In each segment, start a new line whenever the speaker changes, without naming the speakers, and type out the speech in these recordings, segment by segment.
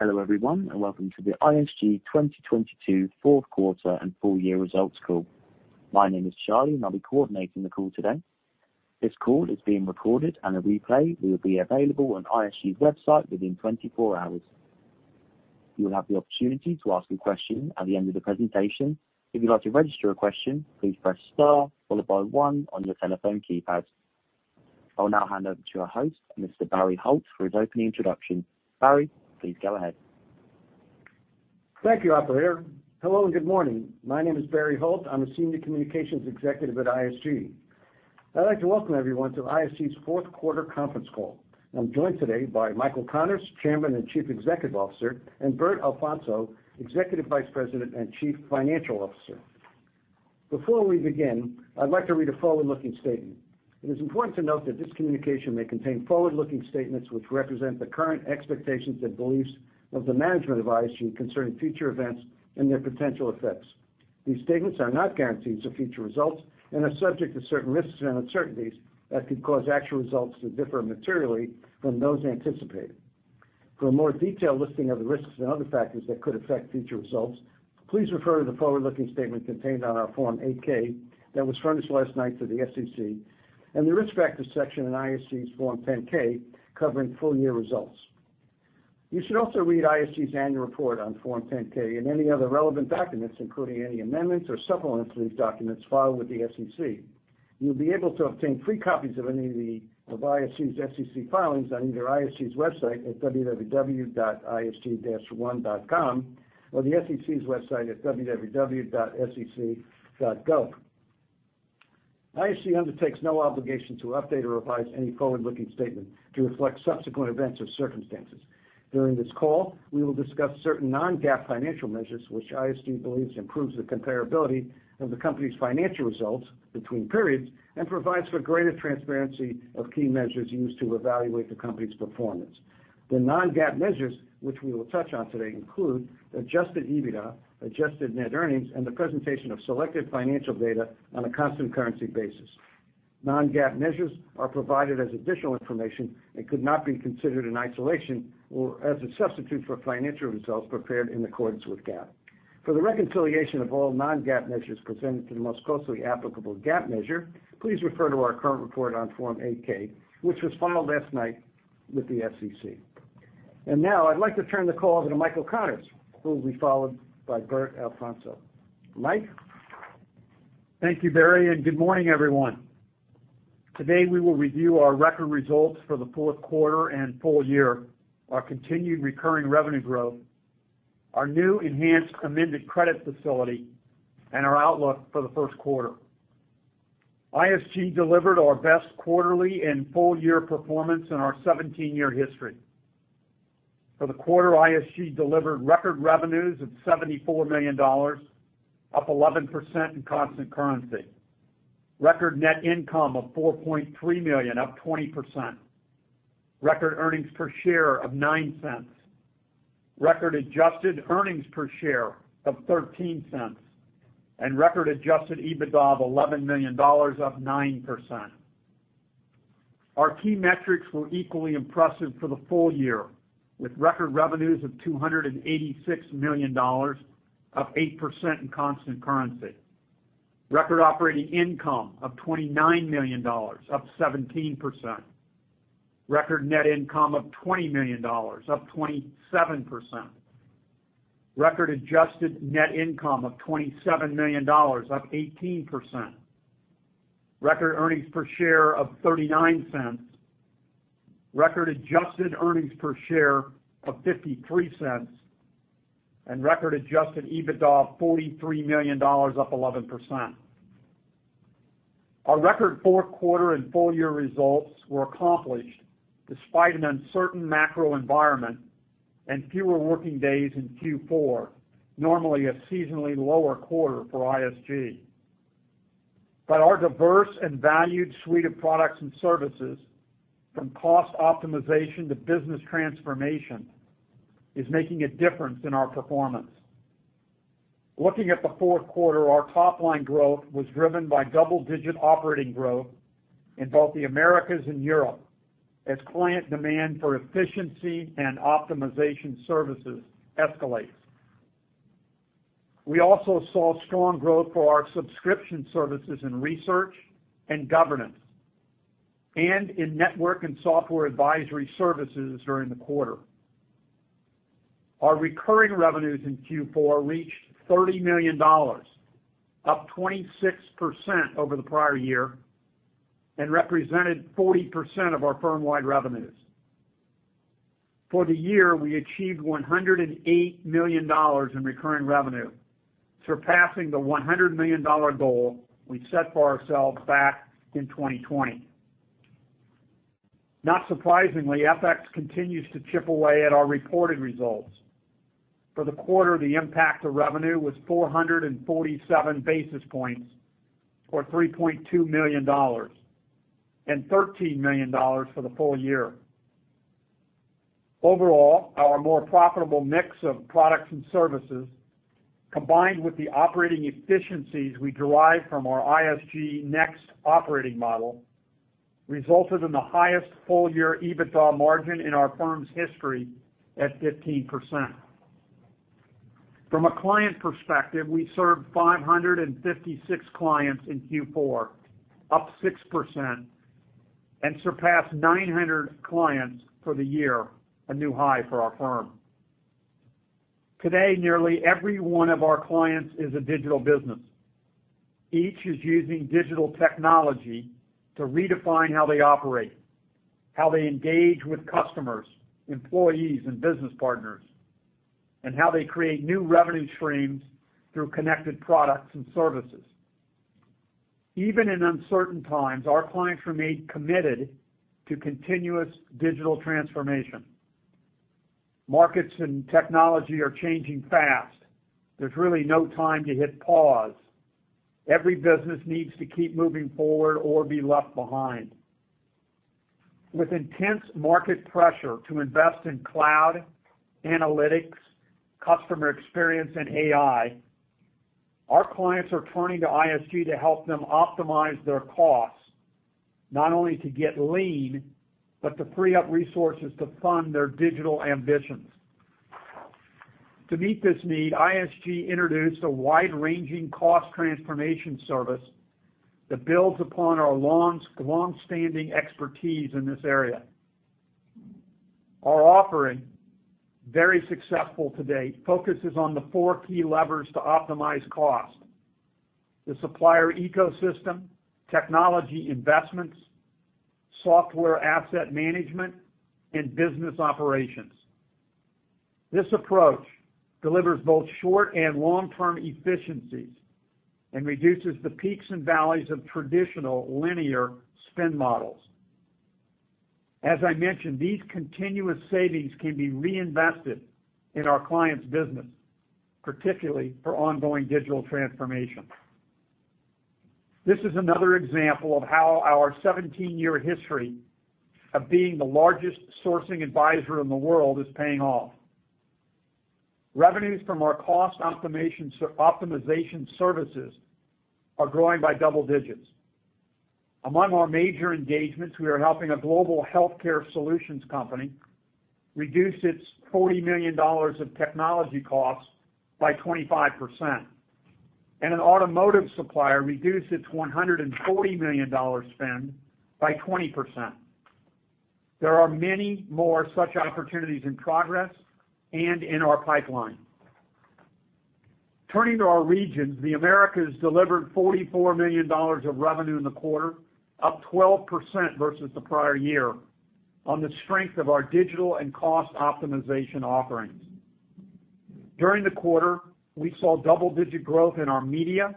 Hello, everyone, welcome to the ISG 2022 fourth quarter and full year results call. My name is Charlie, I'll be coordinating the call today. This call is being recorded, a replay will be available on ISG's website within 24 hours. You will have the opportunity to ask a question at the end of the presentation. If you'd like to register a question, please press star followed by one on your telephone keypad. I will now hand over to our host, Mr. Barry Holt, for his opening introduction. Barry, please go ahead.
Thank you, operator. Hello and good morning. My name is Barry Holt. I'm a Senior Communications Executive at ISG. I'd like to welcome everyone to ISG's fourth quarter conference call. I'm joined today by Michael Connors, Chairman and Chief Executive Officer, and Bert Alfonso, Executive Vice President and Chief Financial Officer. Before we begin, I'd like to read a forward-looking statement. It is important to note that this communication may contain forward-looking statements which represent the current expectations and beliefs of the management of ISG concerning future events and their potential effects. These statements are not guarantees of future results and are subject to certain risks and uncertainties that could cause actual results to differ materially from those anticipated. For a more detailed listing of the risks and other factors that could affect future results, please refer to the forward-looking statement contained on our Form 8-K that was furnished last night to the SEC and the Risk Factors section in ISG's Form 10-K covering full year results. You should also read ISG's annual report on Form 10-K and any other relevant documents, including any amendments or supplements to these documents, filed with the SEC. You'll be able to obtain free copies of any of ISG's SEC filings on either ISG's website at www.isg-one.com or the SEC's website at www.sec.gov. ISG undertakes no obligation to update or revise any forward-looking statement to reflect subsequent events or circumstances. During this call, we will discuss certain non-GAAP financial measures which ISG believes improves the comparability of the company's financial results between periods and provides for greater transparency of key measures used to evaluate the company's performance. The non-GAAP measures which we will touch on today include adjusted EBITDA, adjusted net earnings, and the presentation of selected financial data on a constant currency basis. Non-GAAP measures are provided as additional information and could not be considered in isolation or as a substitute for financial results prepared in accordance with GAAP. For the reconciliation of all non-GAAP measures presented to the most closely applicable GAAP measure, please refer to our current report on Form 8-K, which was filed last night with the SEC. Now I'd like to turn the call over to Michael Connors, who will be followed by Bert Alfonso. Mike?
Thank you, Barry, and good morning, everyone. Today we will review our record results for the fourth quarter and full year, our continued recurring revenue growth, our new enhanced amended credit facility, and our outlook for the first quarter. ISG delivered our best quarterly and full year performance in our 17-year history. For the quarter, ISG delivered record revenues of $74 million, up 11% in constant currency. Record net income of $4.3 million, up 20%. Record earnings per share of $0.09. Record adjusted earnings per share of $0.13 and record adjusted EBITDA of $11 million, up 9%. Our key metrics were equally impressive for the full year, with record revenues of $286 million, up 8% in constant currency. Record operating income of $29 million, up 17%. Record net income of $20 million, up 27%. Record adjusted net income of $27 million, up 18%. Record earnings per share of $0.39. Record adjusted earnings per share of $0.53. Record adjusted EBITDA of $43 million, up 11%. Our record fourth quarter and full year results were accomplished despite an uncertain macro environment and fewer working days in Q4, normally a seasonally lower quarter for ISG. Our diverse and valued suite of products and services from cost optimization to business transformation is making a difference in our performance. Looking at the fourth quarter, our top line growth was driven by double-digit operating growth in both the Americas and Europe as client demand for efficiency and optimization services escalates. We also saw strong growth for our subscription services in research and governance and in network and software advisory services during the quarter. Our recurring revenues in Q4 reached $30 million, up 26% over the prior year and represented 40% of our firm-wide revenues. For the year, we achieved $108 million in recurring revenue, surpassing the $100 million goal we set for ourselves back in 2020. Not surprisingly, FX continues to chip away at our reported results. For the quarter, the impact to revenue was 447 basis points or $3.2 million and $13 million for the full year. Our more profitable mix of products and services combined with the operating efficiencies we derive from our ISG NEXT operating model resulted in the highest full-year EBITDA margin in our firm's history at 15%. From a client perspective, we served 556 clients in Q4, up 6%, and surpassed 900 clients for the year, a new high for our firm. Today, nearly every one of our clients is a digital business. Each is using digital technology to redefine how they operate, how they engage with customers, employees, and business partners, and how they create new revenue streams through connected products and services. Even in uncertain times, our clients remain committed to continuous digital transformation. Markets and technology are changing fast. There's really no time to hit pause. Every business needs to keep moving forward or be left behind. With intense market pressure to invest in cloud, analytics, customer experience, and AI, our clients are turning to ISG to help them optimize their costs, not only to get lean, but to free up resources to fund their digital ambitions. To meet this need, ISG introduced a wide-ranging cost transformation service that builds upon our long-standing expertise in this area. Our offering, very successful to date, focuses on the 4 key levers to optimize cost: the supplier ecosystem, technology investments, software asset management, and business operations. This approach delivers both short and long-term efficiencies and reduces the peaks and valleys of traditional linear spend models. As I mentioned, these continuous savings can be reinvested in our client's business, particularly for ongoing digital transformation. This is another example of how our 17-year history of being the largest sourcing advisor in the world is paying off. Revenues from our cost optimization services are growing by double digits. Among our major engagements, we are helping a global healthcare solutions company reduce its $40 million of technology costs by 25%, and an automotive supplier reduce its $140 million spend by 20%. There are many more such opportunities in progress and in our pipeline. Turning to our regions, the Americas delivered $44 million of revenue in the quarter, up 12% versus the prior year on the strength of our digital and cost optimization offerings. During the quarter, we saw double-digit growth in our media,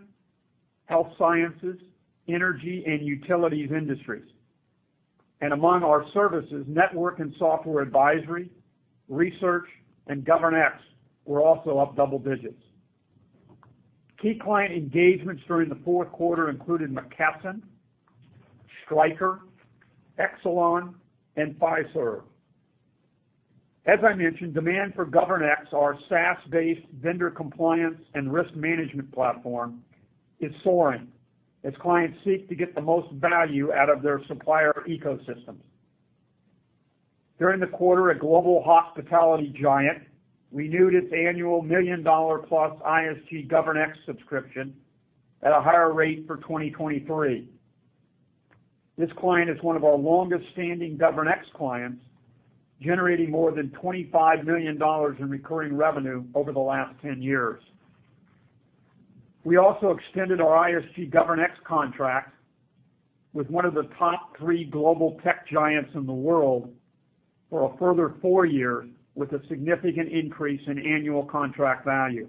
health sciences, energy, and utilities industries. Among our services, network and software advisory, research, and GovernX were also up double digits. Key client engagements during the fourth quarter included McKesson, Stryker, Exelon, and Fiserv. As I mentioned, demand for GovernX, our SaaS-based vendor compliance and risk management platform, is soaring as clients seek to get the most value out of their supplier ecosystems. During the quarter, a global hospitality giant renewed its annual $million+ ISG GovernX subscription at a higher rate for 2023. This client is one of our longest-standing GovernX clients, generating more than $25 million in recurring revenue over the last 10 years. We also extended our ISG GovernX contract with one of the top three global tech giants in the world for a further four years with a significant increase in annual contract value.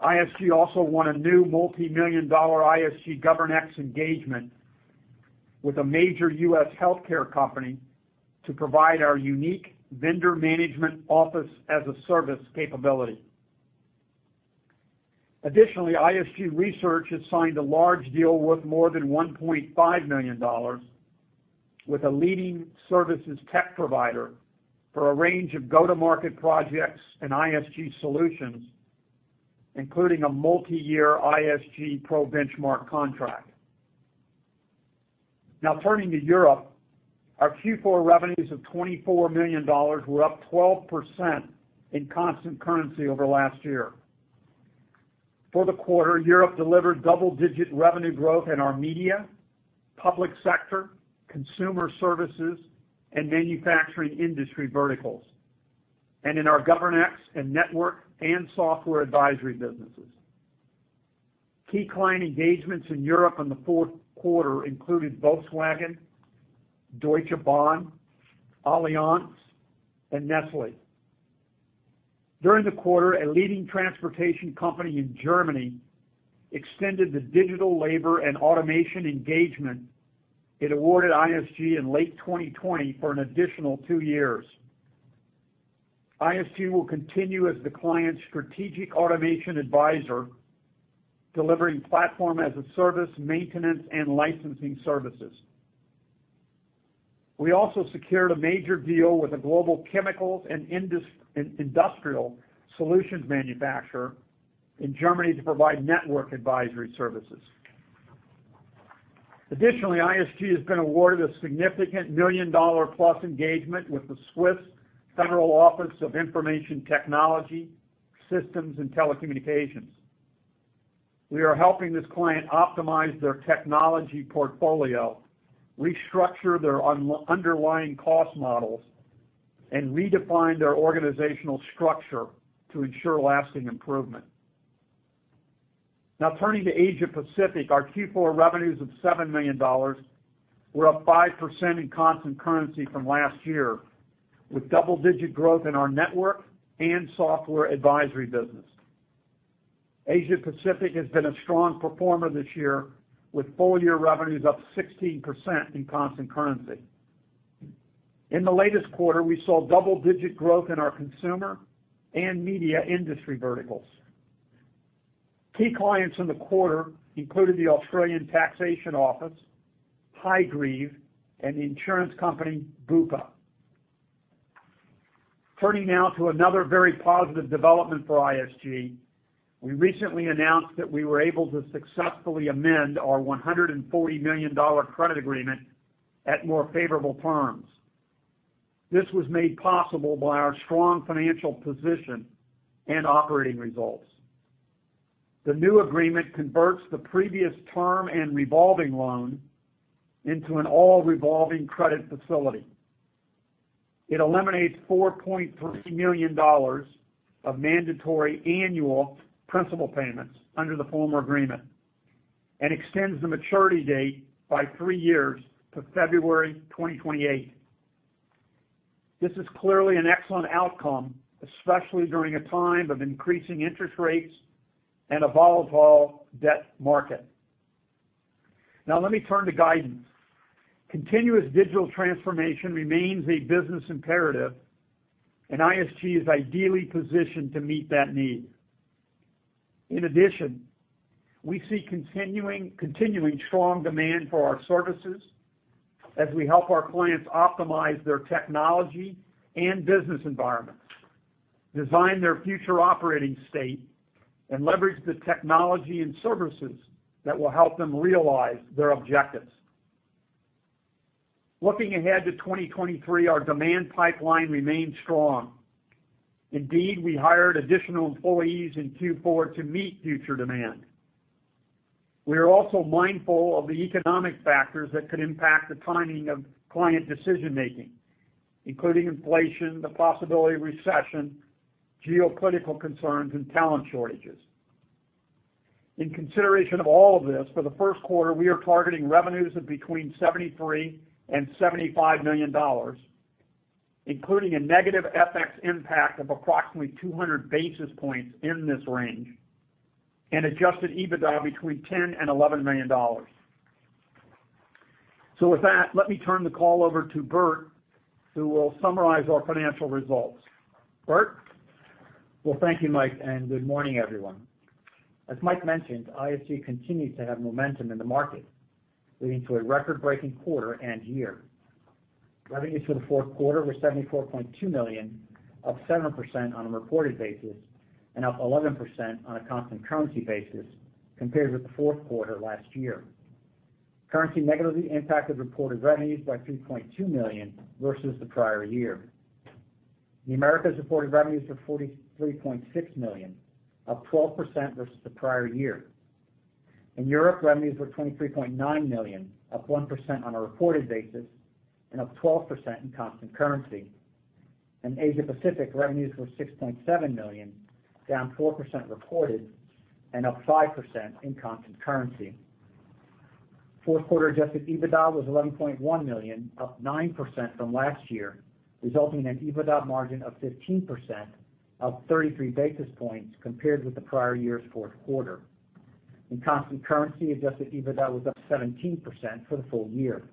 ISG also won a new $multimillion ISG GovernX engagement with a major U.S. healthcare company to provide our unique Vendor Management Office as a Service capability. Additionally, ISG Research has signed a large deal worth more than $1.5 million with a leading services tech provider for a range of go-to-market projects and ISG solutions, including a multiyear ISG ProBenchmark contract. Turning to Europe, our Q4 revenues of $24 million were up 12% in constant currency over last year. For the quarter, Europe delivered double-digit revenue growth in our media, public sector, consumer services, and manufacturing industry verticals, and in our GovernX and network and software advisory businesses. Key client engagements in Europe in the fourth quarter included Volkswagen, Deutsche Bahn, Allianz, and Nestlé. During the quarter, a leading transportation company in Germany extended the digital labor and automation engagement it awarded ISG in late 2020 for an additional 2 years. ISG will continue as the client's strategic automation advisor, delivering platform as a service, maintenance, and licensing services. We also secured a major deal with a global chemicals and industrial solutions manufacturer in Germany to provide network advisory services. ISG has been awarded a significant million-dollar-plus engagement with the Swiss Federal Office of Information Technology, Systems, and Telecommunications. We are helping this client optimize their technology portfolio, restructure their underlying cost models, and redefine their organizational structure to ensure lasting improvement. Turning to Asia Pacific, our Q4 revenues of $7 million were up 5% in constant currency from last year, with double-digit growth in our network and software advisory business. Asia Pacific has been a strong performer this year, with full-year revenues up 16% in constant currency. In the latest quarter, we saw double-digit growth in our consumer and media industry verticals. Key clients in the quarter included the Australian Taxation Office, Hargreaves, and the insurance company Bupa. Turning now to another very positive development for ISG, we recently announced that we were able to successfully amend our $140 million credit agreement at more favorable terms. This was made possible by our strong financial position and operating results. The new agreement converts the previous term and revolving loan into an all-revolving credit facility. It eliminates $4.3 million of mandatory annual principal payments under the former agreement and extends the maturity date by three years to February 2028. This is clearly an excellent outcome, especially during a time of increasing interest rates and a volatile debt market. Now let me turn to guidance. Continuous digital transformation remains a business imperative, and ISG is ideally positioned to meet that need. In addition, we see continuing strong demand for our services as we help our clients optimize their technology and business environments, design their future operating state, and leverage the technology and services that will help them realize their objectives. Looking ahead to 2023, our demand pipeline remains strong. Indeed, we hired additional employees in Q4 to meet future demand. We are also mindful of the economic factors that could impact the timing of client decision-making, including inflation, the possibility of recession, geopolitical concerns, and talent shortages. In consideration of all of this, for the first quarter, we are targeting revenues of between $73 million and $75 million, including a negative FX impact of approximately 200 basis points in this range, and adjusted EBITDA between $10 million and $11 million. With that, let me turn the call over to Bert, who will summarize our financial results. Bert?
Well, thank you, Mike, and good morning, everyone. As Mike mentioned, ISG continues to have momentum in the market, leading to a record-breaking quarter and year. Revenues for the fourth quarter were $74.2 million, up 7% on a reported basis and up 11% on a constant currency basis compared with the fourth quarter last year. Currency negatively impacted reported revenues by $3.2 million versus the prior year. The Americas reported revenues of $43.6 million, up 12% versus the prior year. In Europe, revenues were $23.9 million, up 1% on a reported basis and up 12% in constant currency. In Asia Pacific, revenues were $6.7 million, down 4% reported and up 5% in constant currency. Fourth quarter adjusted EBITDA was $11.1 million, up 9% from last year, resulting in an EBITDA margin of 15%, up 33 basis points compared with the prior year's fourth quarter. In constant currency, adjusted EBITDA was up 17% for the full year.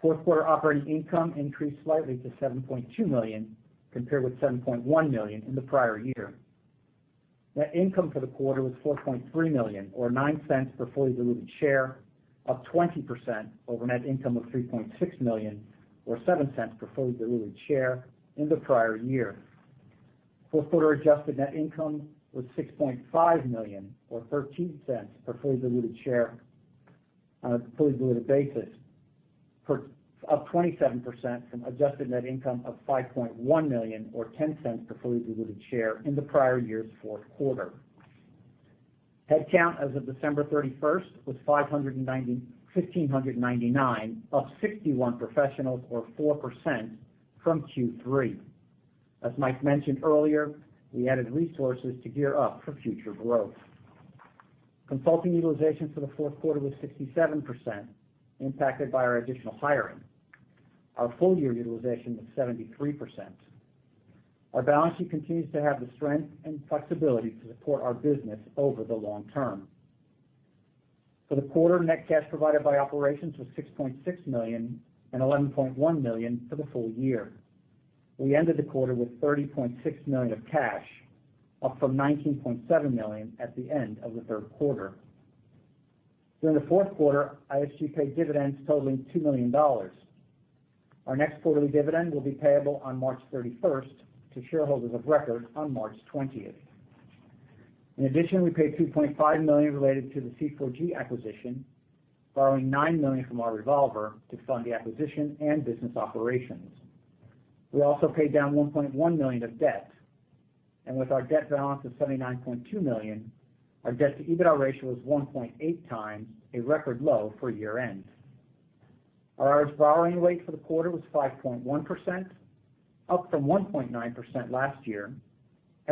Fourth quarter operating income increased slightly to $7.2 million, compared with $7.1 million in the prior year. Net income for the quarter was $4.3 million, or $0.09 per fully diluted share, up 20% over net income of $3.6 million, or $0.07 per fully diluted share in the prior year. Fourth quarter adjusted net income was $6.5 million, or $0.13 per fully diluted share on a fully diluted basis, up 27% from adjusted net income of $5.1 million, or $0.10 per fully diluted share in the prior year's fourth quarter. Headcount as of December 31st was 1,599, up 61 professionals or 4% from Q3. As Michael mentioned earlier, we added resources to gear up for future growth. Consulting utilization for the fourth quarter was 67%, impacted by our additional hiring. Our full-year utilization was 73%. Our balance sheet continues to have the strength and flexibility to support our business over the long term. For the quarter, net cash provided by operations was $6.6 million and $11.1 million for the full year. We ended the quarter with $30.6 million of cash, up from $19.7 million at the end of the third quarter. During the fourth quarter, ISG paid dividends totaling $2 million. Our next quarterly dividend will be payable on March 31st to shareholders of record on March 20th. In addition, we paid $2.5 million related to the Change 4 Growth acquisition, borrowing $9 million from our revolver to fund the acquisition and business operations. We also paid down $1.1 million of debt, and with our debt balance of $79.2 million, our debt-to-EBITDA ratio was 1.8x, a record low for year-end. Our average borrowing rate for the quarter was 5.1%, up from 1.9% last year.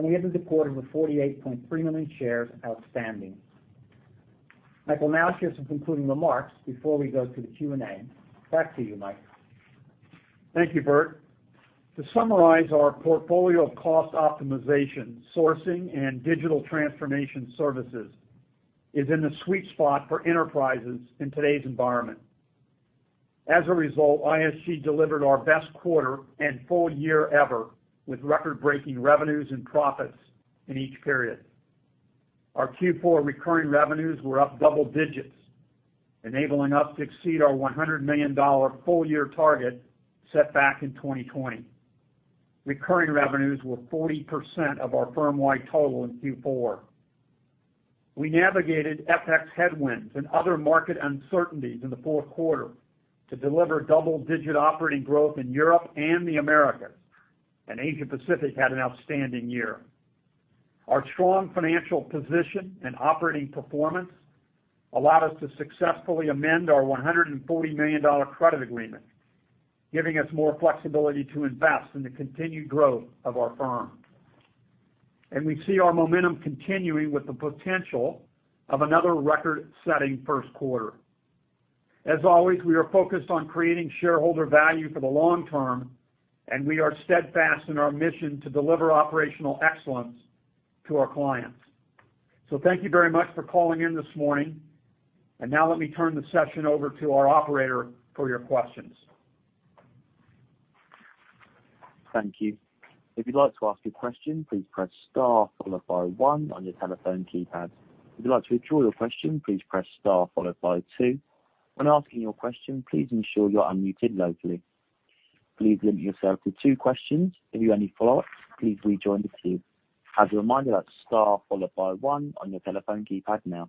We ended the quarter with 48.3 million shares outstanding. Mike will now share some concluding remarks before we go to the Q&A. Back to you, Mike.
Thank you, Bert. To summarize, our portfolio of cost optimization, sourcing, and digital transformation services is in the sweet spot for enterprises in today's environment. As a result, ISG delivered our best quarter and full year ever, with record-breaking revenues and profits in each period. Our Q4 recurring revenues were up double digits, enabling us to exceed our $100 million full-year target set back in 2020. Recurring revenues were 40% of our firm-wide total in Q4. We navigated FX headwinds and other market uncertainties in the fourth quarter to deliver double-digit operating growth in Europe and the Americas, and Asia Pacific had an outstanding year. Our strong financial position and operating performance allowed us to successfully amend our $140 million credit agreement, giving us more flexibility to invest in the continued growth of our firm. We see our momentum continuing with the potential of another record-setting first quarter. As always, we are focused on creating shareholder value for the long term, and we are steadfast in our mission to deliver operational excellence to our clients. Thank you very much for calling in this morning. Now let me turn the session over to our operator for your questions.
Thank you. If you'd like to ask a question, please press star followed by one on your telephone keypad. If you'd like to withdraw your question, please press star followed by two. When asking your question, please ensure you're unmuted locally. Please limit yourself to two questions. If you have any follow-ups, please rejoin the queue. As a reminder, that's star followed by one on your telephone keypad now.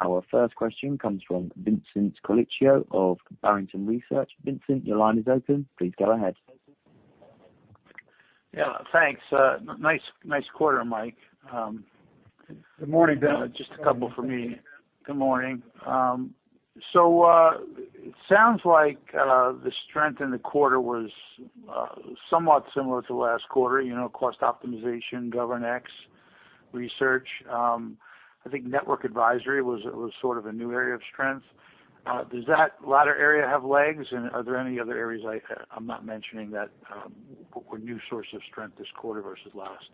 Our first question comes from Vincent Colicchio of Barrington Research. Vincent, your line is open. Please go ahead.
Yeah, thanks. nice quarter, Mike.
Good morning, Vincent.
Just a couple from me.
Good morning.
It sounds like the strength in the quarter was somewhat similar to last quarter, you know, cost optimization, GovernX research. I think network advisory was sort of a new area of strength. Does that latter area have legs, and are there any other areas I'm not mentioning that were new source of strength this quarter versus last?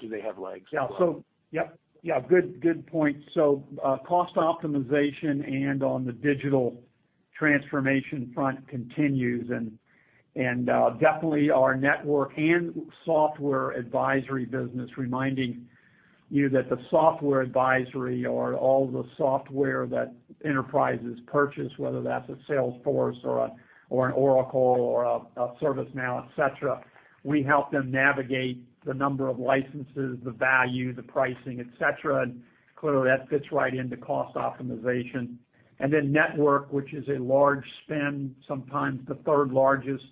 Do they have legs as well?
Yep. Good, good point. Cost optimization and on the digital transformation front continues and, definitely our network and software advisory business, reminding you that the software advisory or all the software that enterprises purchase, whether that's a Salesforce or a, or an Oracle or a ServiceNow, et cetera, we help them navigate the number of licenses, the value, the pricing, et cetera. Clearly, that fits right into cost optimization. Then network, which is a large spend, sometimes the third-largest,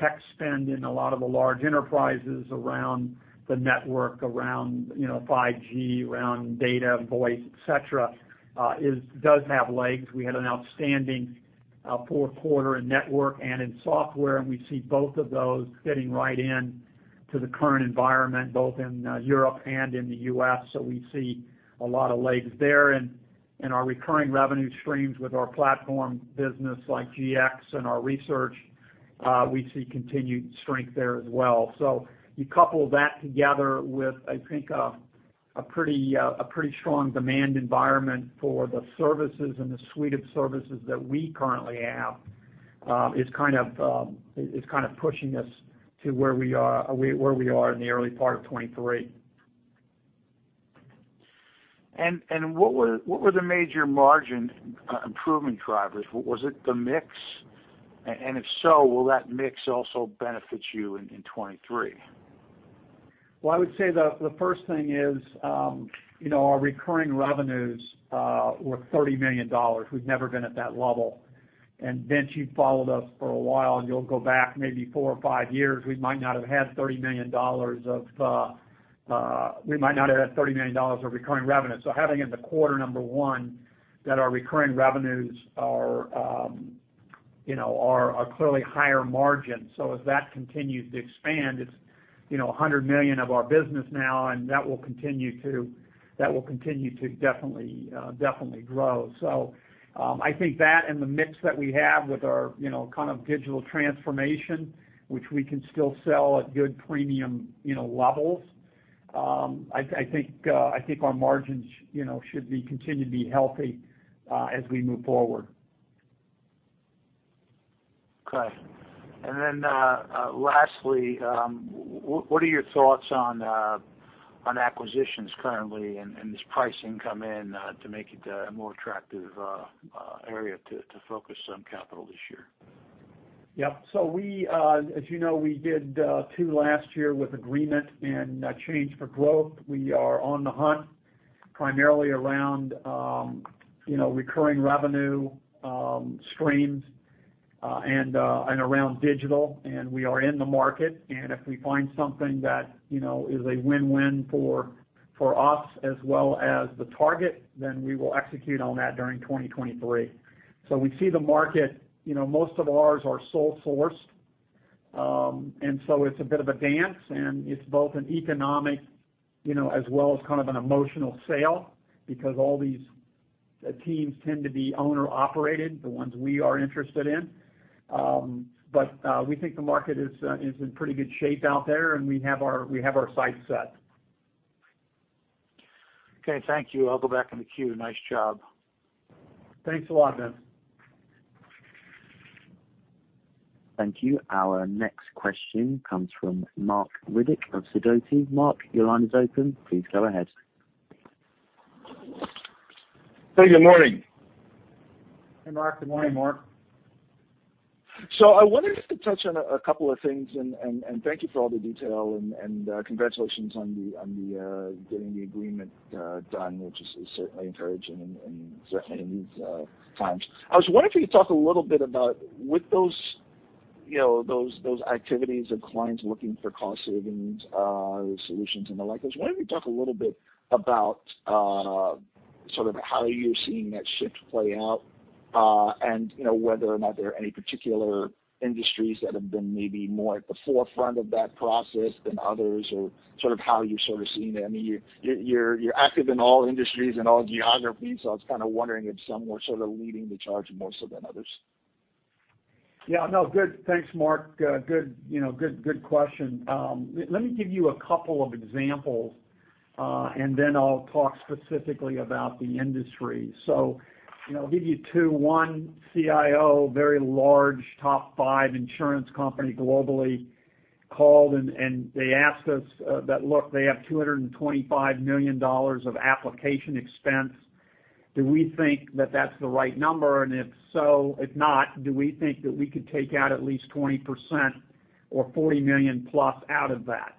tech spend in a lot of the large enterprises around the network, around, you know, 5G, around data, voice, et cetera, does have legs. We had an outstanding, fourth quarter in network and in software, We see both of those fitting right in to the current environment, both in Europe and in the US. We see a lot of legs there. Our recurring revenue streams with our platform business like GovernX and our research, we see continued strength there as well. You couple that together with, I think, a pretty, a pretty strong demand environment for the services and the suite of services that we currently have, is kind of pushing us to where we are where we are in the early part of 2023.
What were the major margin improvement drivers? Was it the mix? And if so, will that mix also benefit you in 2023?
Well, I would say the first thing is, you know, our recurring revenues, were $30 million. We've never been at that level. Vince, you've followed us for a while, and you'll go back maybe four or five years, we might not have had $30 million of recurring revenue. Having it in the quarter, number 1, that our recurring revenues are, you know, are clearly higher margin. As that continues to expand, it's, you know, $100 million of our business now, and that will continue to definitely grow. I think that and the mix that we have with our, you know, kind of digital transformation, which we can still sell at good premium, you know, levels. I think our margins, you know, should be continue to be healthy as we move forward.
Okay. Lastly, what are your thoughts on acquisitions currently and this pricing come in to make it a more attractive area to focus some capital this year?
Yeah. We, as you know, we did 2 last year with agreement and a Change 4 Growth. We are on the hunt primarily around, you know, recurring revenue streams, and around digital. We are in the market. If we find something that, you know, is a win-win for us as well as the target, then we will execute on that during 2023. We see the market, you know, most of ours are sole sourced. It's a bit of a dance, and it's both an economic, you know, as well as kind of an emotional sale because all these teams tend to be owner operated, the ones we are interested in. We think the market is in pretty good shape out there, and we have our sights set.
Okay, thank you. I'll go back in the queue. Nice job.
Thanks a lot, Vince.
Thank you. Our next question comes from Marc Riddick of Sidoti. Mark, your line is open. Please go ahead.
Hey, good morning.
Hey, Marc. Good morning, Marc.
I wondered if you could touch on a couple of things and thank you for all the detail and congratulations on the getting the agreement done, which is certainly encouraging and certainly in these times. I was wondering if you could talk a little bit about with those, you know, those activities of clients looking for cost savings solutions and the like. I was wondering if you talk a little bit about sort of how you're seeing that shift play out, and, you know, whether or not there are any particular industries that have been maybe more at the forefront of that process than others, or sort of how you're seeing it. I mean, you're active in all industries and all geographies, so I was kinda wondering if some were sort of leading the charge more so than others.
Yeah, no, good. Thanks, Marc. Good, you know, good question. Let me give you a couple of examples, and then I'll talk specifically about the industry. You know, I'll give you two. One CIO, very large, top five insurance company globally, called and they asked us that look, they have $225 million of application expense. Do we think that that's the right number? If so, if not, do we think that we could take out at least 20% or $40 million+ out of that?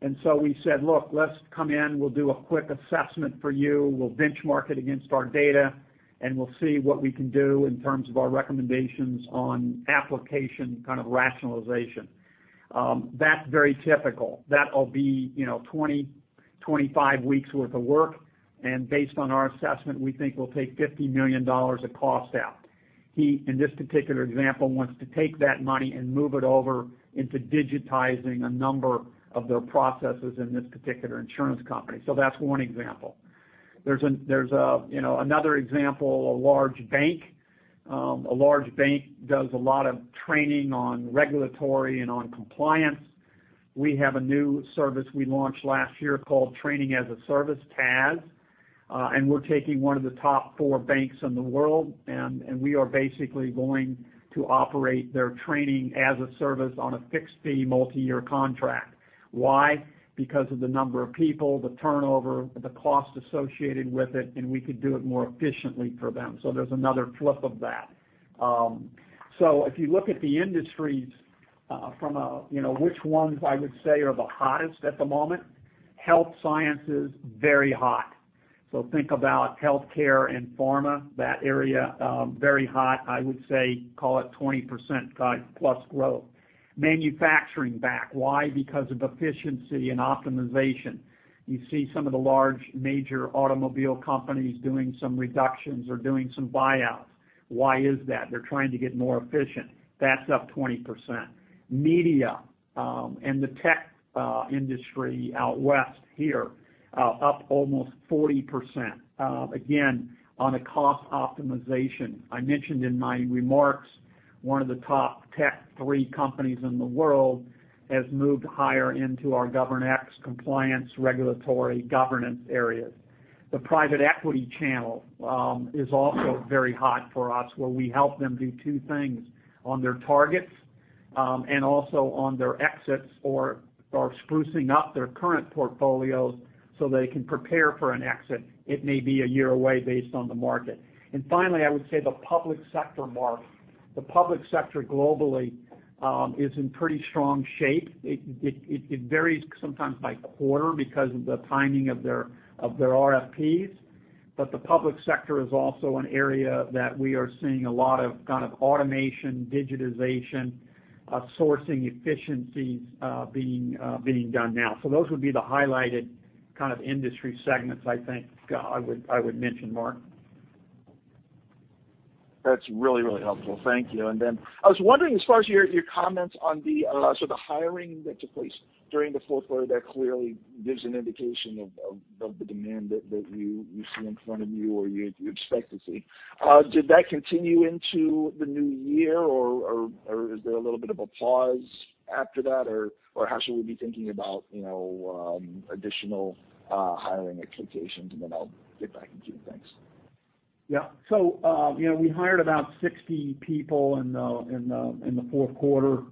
We said, look, let's come in. We'll do a quick assessment for you. We'll benchmark it against our data, and we'll see what we can do in terms of our recommendations on application kind of rationalization. That's very typical. That'll be, you know, 20-25 weeks worth of work. Based on our assessment, we think we'll take $50 million of cost out. He, in this particular example, wants to take that money and move it over into digitizing a number of their processes in this particular insurance company. That's one example. There's another example, a large bank. A large bank does a lot of training on regulatory and on compliance. We have a new service we launched last year called Training as a Service, TaaS. We're taking one of the top four banks in the world, and we are basically going to operate their training as a service on a fixed fee multi-year contract. Why? Because of the number of people, the turnover, the cost associated with it, and we could do it more efficiently for them. There's another flip of that. If you look at the industries, from a, you know, which ones I would say are the hottest at the moment, health science is very hot. Think about healthcare and pharma, that area, very hot, I would say call it 20% kind of + growth. Manufacturing, back. Why? Because of efficiency and optimization. You see some of the large major automobile companies doing some reductions or doing some buyouts. Why is that? They're trying to get more efficient. That's up 20%. Media, and the tech industry out west here, up almost 40%, again, on a cost optimization. I mentioned in my remarks one of the top tech three companies in the world has moved higher into our GovernX compliance regulatory governance areas. The private equity channel, is also very hot for us, where we help them do two things on their targets, and also on their exits or are sprucing up their current portfolios so they can prepare for an exit. It may be a year away based on the market. Finally, I would say the public sector, Marc. The public sector globally, is in pretty strong shape. It varies sometimes by quarter because of the timing of their RFPs. The public sector is also an area that we are seeing a lot of kind of automation, digitization, sourcing efficiencies, being done now. Those would be the highlighted kind of industry segments I think, I would mention, Marc.
That's really, really helpful. Thank you. I was wondering, as far as your comments on the sort of hiring that took place during the fourth quarter, that clearly gives an indication of the demand that you see in front of you or you expect to see. Did that continue into the new year or is there a little bit of a pause after that? Or how should we be thinking about, you know, additional hiring expectations? I'll get back in queue. Thanks.
Yeah. You know, we hired about 60 people in the fourth quarter.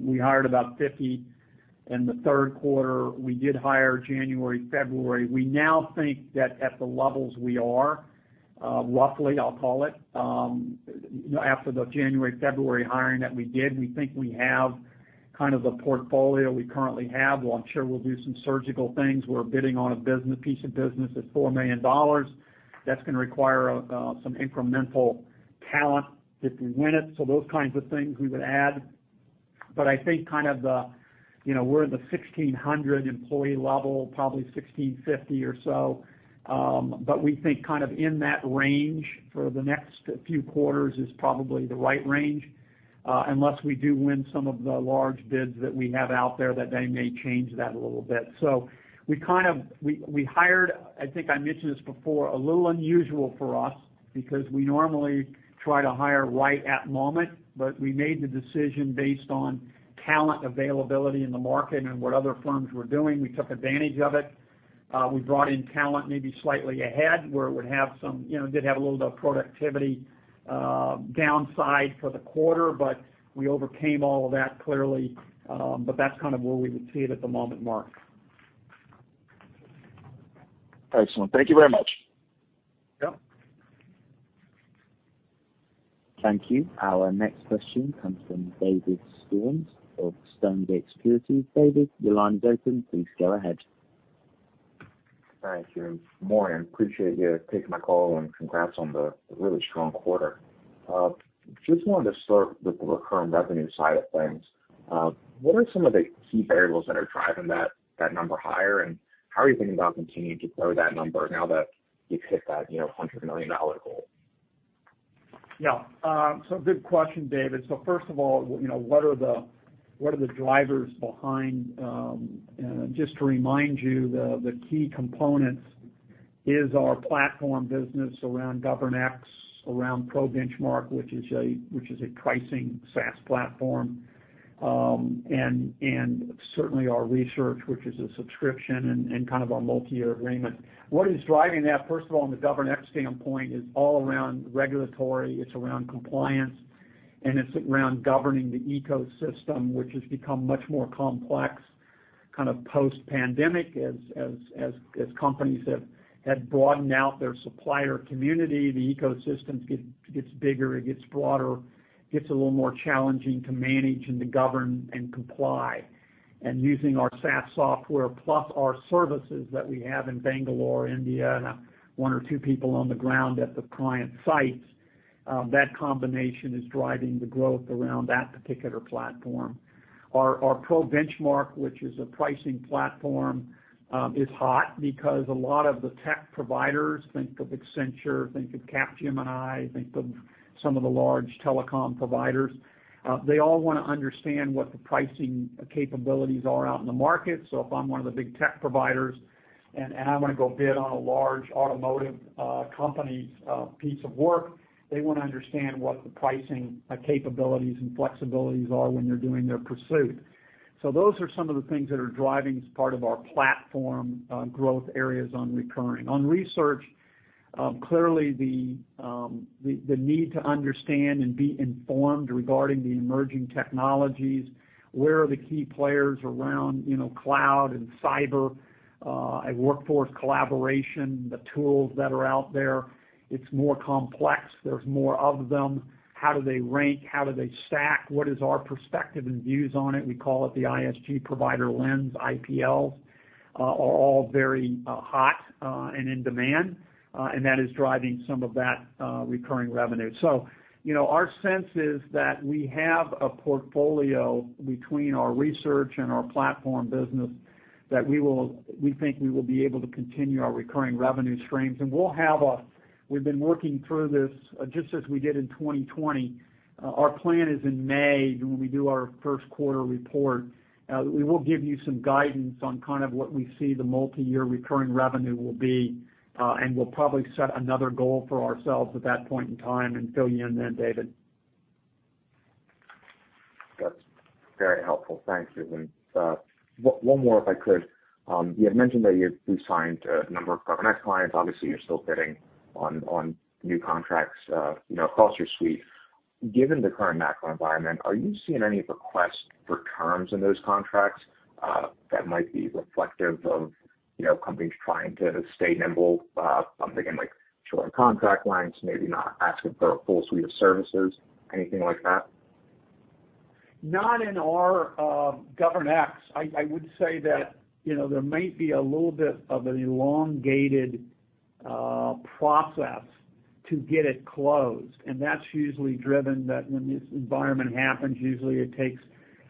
We hired about 50 in the third quarter. We did hire January, February. We now think that at the levels we are, roughly I'll call it, you know, after the January, February hiring that we did, we think we have kind of the portfolio we currently have. Well, I'm sure we'll do some surgical things. We're bidding on a piece of business that's $4 million. That's gonna require some incremental talent if we win it. Those kinds of things we would add. I think kind of the, you know, we're in the 1,600 employee level, probably 1,650 or so. We think kind of in that range for the next few quarters is probably the right range, unless we do win some of the large bids that we have out there that they may change that a little bit. We kind of, we hired, I think I mentioned this before, a little unusual for us because we normally try to hire right at moment, but we made the decision based on talent availability in the market and what other firms were doing. We took advantage of it. We brought in talent maybe slightly ahead where it would have some, you know, did have a little bit of productivity downside for the quarter, but we overcame all of that clearly. That's kind of where we would see it at the moment, Mark.
Excellent. Thank you very much.
Yeah.
Thank you. Our next question comes from David Storms of Stonegate Securities. David, your line is open. Please go ahead.
Thank you. Morning. Appreciate you taking my call, and congrats on the really strong quarter. Just wanted to start with the recurring revenue side of things. What are some of the key variables that are driving that number higher, and how are you thinking about continuing to grow that number now that you've hit that, you know, $100 million goal?
Good question, David. First of all, you know, what are the drivers behind just to remind you, the key components is our platform business around GovernX, around ProBenchmark, which is a pricing SaaS platform. Certainly our research, which is a subscription and kind of a multiyear agreement. What is driving that, first of all, on the GovernX standpoint, is all around regulatory, it's around compliance, and it's around governing the ecosystem, which has become much more complex kind of post-pandemic as companies have broadened out their supplier community. The ecosystems gets bigger, it gets broader, gets a little more challenging to manage and to govern and comply. Using our SaaS software plus our services that we have in Bangalore, India, and 1 or 2 people on the ground at the client sites, that combination is driving the growth around that particular platform. Our ProBenchmark, which is a pricing platform, is hot because a lot of the tech providers, think of Accenture, think of Capgemini, think of some of the large telecom providers, they all wanna understand what the pricing capabilities are out in the market. If I'm one of the big tech providers and I wanna go bid on a large automotive company's piece of work, they wanna understand what the pricing capabilities and flexibilities are when they're doing their pursuit. Those are some of the things that are driving as part of our platform, growth areas on recurring. On research, clearly the need to understand and be informed regarding the emerging technologies, where are the key players around, you know, cloud and cyber, and workforce collaboration, the tools that are out there, it's more complex. There's more of them. How do they rank? How do they stack? What is our perspective and views on it? We call it the ISG Provider Lens, IPL, are all very hot and in demand. That is driving some of that recurring revenue. You know, our sense is that we have a portfolio between our research and our platform business that we think we will be able to continue our recurring revenue streams. We've been working through this just as we did in 2020. Our plan is in May, when we do our first quarter report, we will give you some guidance on kind of what we see the multiyear recurring revenue will be. We'll probably set another goal for ourselves at that point in time and fill you in then, David.
That's very helpful. Thanks, Susan. One more, if I could. You had mentioned that you signed a number of GovernX clients. Obviously, you're still bidding on new contracts, you know, across your suite. Given the current macro environment, are you seeing any requests for terms in those contracts, that might be reflective of, you know, companies trying to stay nimble, something like shorter contract lengths, maybe not asking for a full suite of services, anything like that?
Not in our GovernX. I would say that, you know, there might be a little bit of an elongated process to get it closed, that's usually driven that when this environment happens, usually it takes,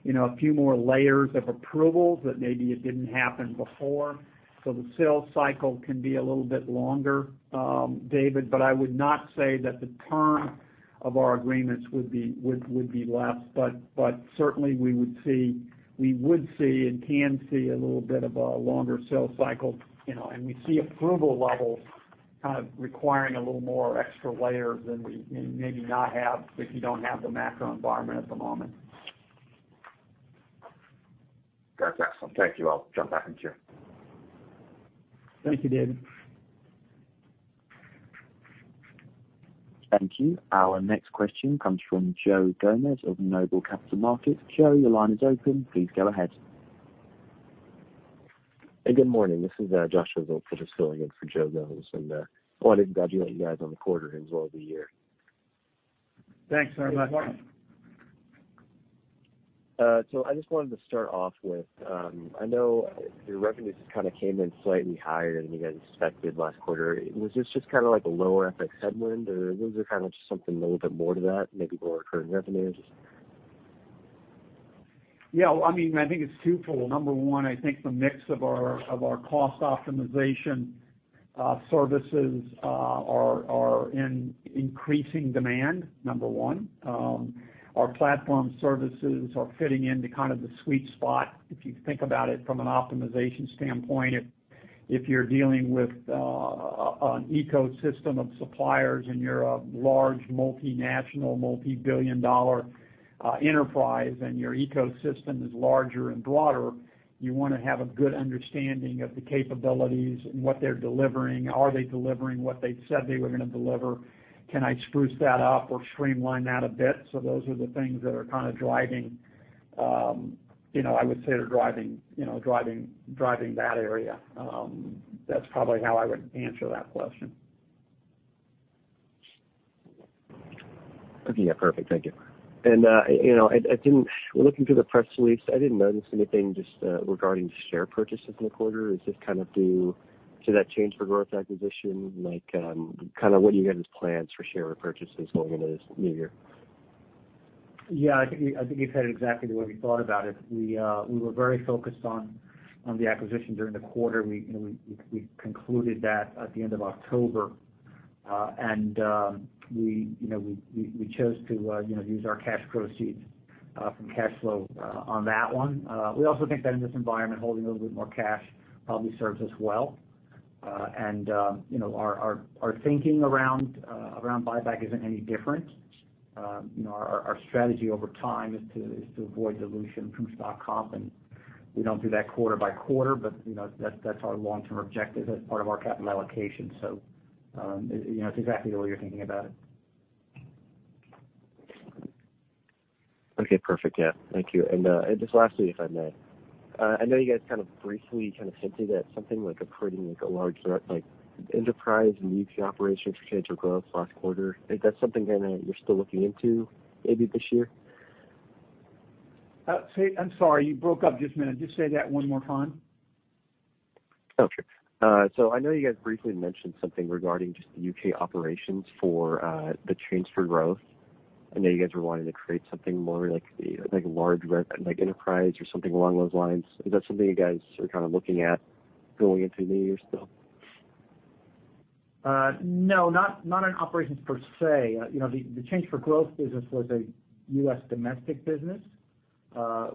you know, a few more layers of approvals that maybe it didn't happen before. The sales cycle can be a little bit longer, David, but I would not say that the term of our agreements would be less. Certainly we would see and can see a little bit of a longer sales cycle, you know, and we see approval levels kind of requiring a little more extra layer than we maybe not have if you don't have the macro environment at the moment.
That's excellent. Thank you. I'll jump back in queue.
Thank you, David.
Thank you. Our next question comes from Joe Gomes of Noble Capital Markets. Joe, your line is open. Please go ahead.
Hey, good morning. This is Joshua Zoepfel just filling in for Joe Gomes. I want to congratulate you guys on the quarter as well as the year.
Thanks very much.
Thanks, Josh.
I just wanted to start off with, I know your revenues kind of came in slightly higher than you guys expected last quarter. Was this just kind of like a lower FX headwind, or was there kind of just something a little bit more to that, maybe more current revenues?
Yeah, I mean, I think it's twofold. Number one, I think the mix of our cost optimization services are in increasing demand, number one. Our platform services are fitting into kind of the sweet spot, if you think about it from an optimization standpoint. If you're dealing with an ecosystem of suppliers and you're a large multinational, multi-billion dollar enterprise, and your ecosystem is larger and broader, you want to have a good understanding of the capabilities and what they're delivering. Are they delivering what they said they were gonna deliver? Can I spruce that up or streamline that a bit? Those are the things that are kind of driving, you know, I would say are driving, you know, driving that area. That's probably how I would answer that question.
Yeah, perfect. Thank you. You know, we're looking through the press release. I didn't notice anything just regarding share purchases in the quarter. Is this kind of due to that Change 4 Growth acquisition? Like, kind of what are your guys' plans for share repurchases going into this new year?
Yeah, I think you've hit it exactly the way we thought about it. We were very focused on the acquisition during the quarter. We, you know, we concluded that at the end of October. You know, we chose to, you know, use our cash proceeds from cash flow on that one. We also think that in this environment, holding a little bit more cash probably serves us well. You know, our thinking around buyback isn't any different. You know, our strategy over time is to avoid dilution from stock comp, and we don't do that quarter by quarter, but, you know, that's our long-term objective as part of our capital allocation. You know, it's exactly the way you're thinking about it.
Okay, perfect. Yeah. Thank you. Just lastly, if I may. I know you guys briefly hinted at something acquiring a large enterprise in the U.K. operations for Change 4 Growth last quarter. Is that something you're still looking into maybe this year?
I'm sorry, you broke up just a minute. Just say that one more time.
Sure. I know you guys briefly mentioned something regarding just the UK operations for the Change 4 Growth. I know you guys were wanting to create something more like the like large like enterprise or something along those lines. Is that something you guys are kind of looking at going into the new year still?
No, not in operations per se. You know, the Change 4 Growth business was a U.S. domestic business.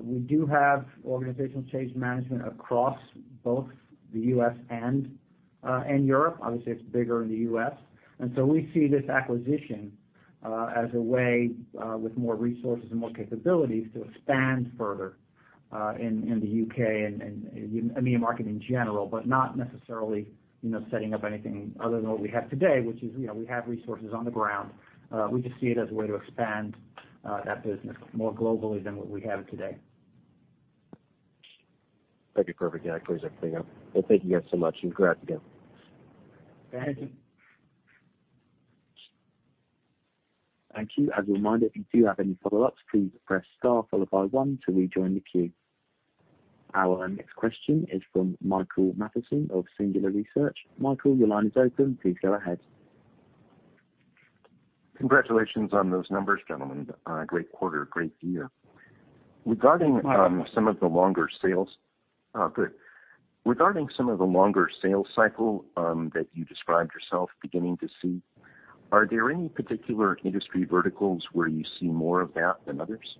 We do have organizational change management across both the U.S. and Europe. Obviously, it's bigger in the U.S. We see this acquisition as a way with more resources and more capabilities to expand further in the U.K. and EMEA market in general, but not necessarily, you know, setting up anything other than what we have today, which is, you know, we have resources on the ground. We just see it as a way to expand that business more globally than what we have today.
Okay, perfect. Yeah, that clears everything up. Well, thank you guys so much, and congrats again.
Go ahead.
Thank you. As a reminder, if you do have any follow-ups, please press star followed by one to rejoin the queue. Our next question is from Michael Mathison of Singular Research. Michael, your line is open. Please go ahead.
Congratulations on those numbers, gentlemen. great quarter, great year.
Hi, Michael.
Oh, good. Regarding some of the longer sales cycle, that you described yourself beginning to see, are there any particular industry verticals where you see more of that than others?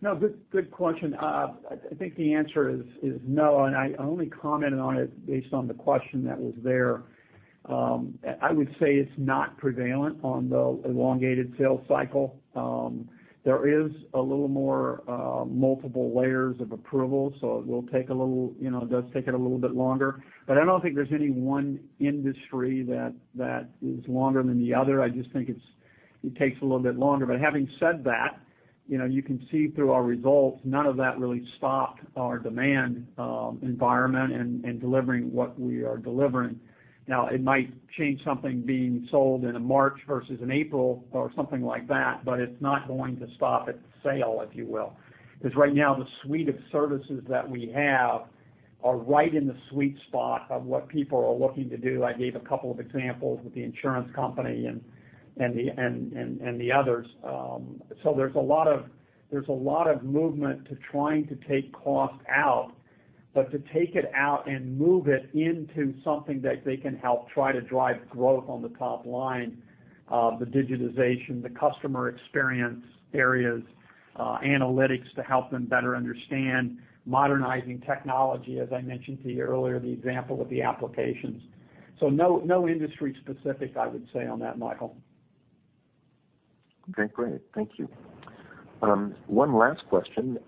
No, good question. I think the answer is no. I only commented on it based on the question that was there. I would say it's not prevalent on the elongated sales cycle. There is a little more multiple layers of approval, so it will take a little, you know, it does take it a little bit longer. I don't think there's any one industry that is longer than the other. I just think it takes a little bit longer. Having said that, you know, you can see through our results, none of that really stopped our demand environment and delivering what we are delivering. It might change something being sold in a March versus an April or something like that, but it's not going to stop a sale, if you will. Right now, the suite of services that we have are right in the sweet spot of what people are looking to do. I gave a couple of examples with the insurance company and the others. There's a lot of movement to trying to take cost out, but to take it out and move it into something that they can help try to drive growth on the top line, the digitization, the customer experience areas, analytics to help them better understand, modernizing technology, as I mentioned to you earlier, the example of the applications. No, no industry specific, I would say on that, Michael.
Okay, great. Thank you. One last question.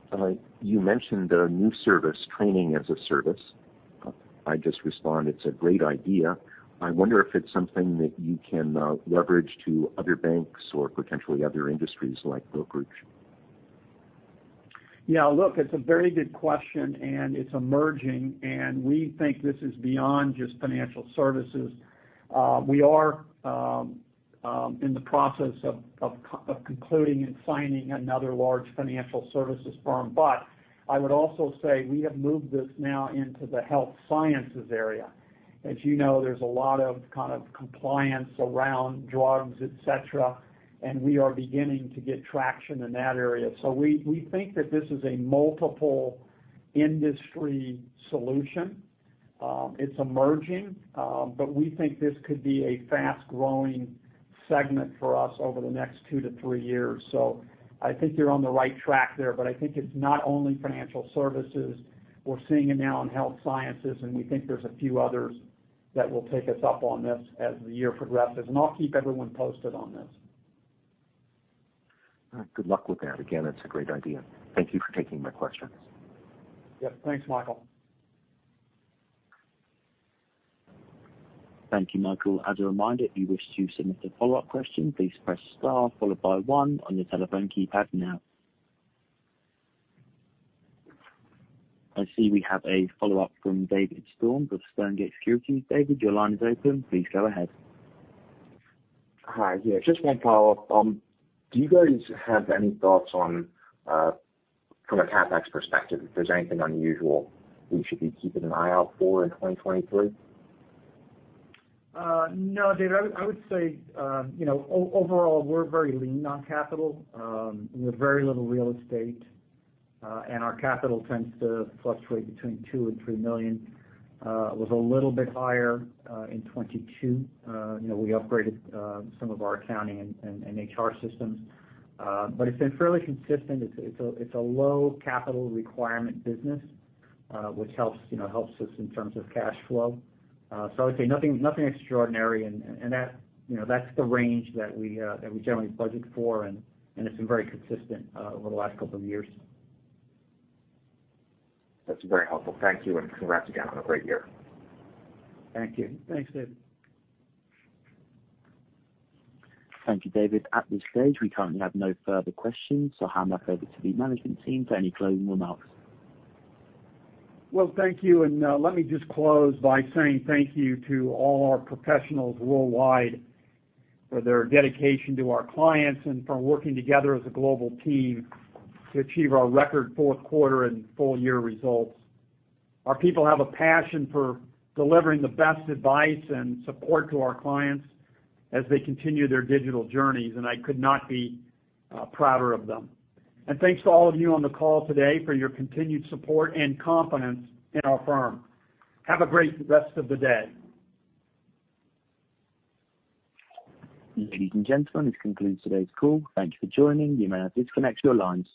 You mentioned a new service, Training as a Service. I just respond, it's a great idea. I wonder if it's something that you can leverage to other banks or potentially other industries like brokerage.
Yeah. Look, it's a very good question, and it's emerging. We think this is beyond just financial services. We are in the process of concluding and signing another large financial services firm. I would also say we have moved this now into the health sciences area. As you know, there's a lot of kind of compliance around drugs, et cetera, and we are beginning to get traction in that area. We think that this is a multiple industry solution. It's emerging, but we think this could be a fast-growing segment for us over the next two to three years. I think you're on the right track there. I think it's not only financial services. We're seeing it now in health sciences, and we think there's a few others that will take us up on this as the year progresses. I'll keep everyone posted on this.
All right, good luck with that. Again, it's a great idea. Thank you for taking my questions.
Yep. Thanks, Michael.
Thank you, Michael. As a reminder, if you wish to submit a follow question, please press star followed by one on your telephone keypad now. I see we have a follow-up from David Storms of Stonegate Securities. David, your line is open. Please go ahead.
Hi. Yeah, just one follow-up. Do you guys have any thoughts on, from a CapEx perspective, if there's anything unusual we should be keeping an eye out for in 2023?
No, David. I would say, you know, overall, we're very lean on capital, with very little real estate, and our capital tends to fluctuate between $2 million-$3 million. It was a little bit higher in 2022. You know, we upgraded some of our accounting and HR systems. But it's been fairly consistent. It's a low capital requirement business, which helps, you know, helps us in terms of cash flow. So I would say nothing extraordinary. That, you know, that's the range that we generally budget for, and it's been very consistent over the last couple of years.
That's very helpful. Thank you, and congrats again on a great year.
Thank you.
Thanks, David. Thank you, David. At this stage, we currently have no further questions, so I'll hand back over to the management team for any closing remarks.
Well, thank you. Let me just close by saying thank you to all our professionals worldwide for their dedication to our clients and for working together as a global team to achieve our record fourth quarter and full year results. Our people have a passion for delivering the best advice and support to our clients as they continue their digital journeys, and I could not be prouder of them. Thanks to all of you on the call today for your continued support and confidence in our firm. Have a great rest of the day.
Ladies and gentlemen, this concludes today's call. Thank you for joining. You may now disconnect your lines.